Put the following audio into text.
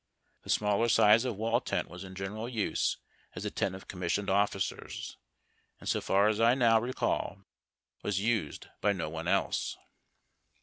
The smaller size of wall tent was in general use as the tent of commissioned officers, and so far as I now recall, was used by no one else.